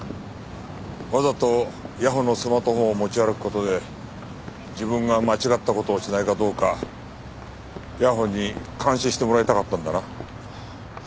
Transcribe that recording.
わざと谷保のスマートフォンを持ち歩く事で自分が間違った事をしないかどうか谷保に監視してもらいたかったんだな？